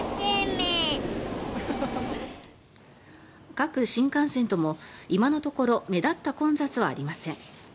各新幹線とも今のところ目立った混雑はありません。